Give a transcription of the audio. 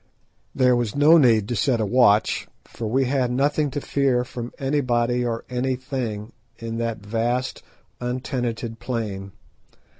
There was no need to set a watch, for we had nothing to fear from anybody or anything in that vast untenanted plain.